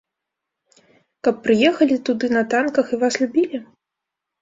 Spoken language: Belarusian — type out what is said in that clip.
Каб прыехалі туды на танках і вас любілі?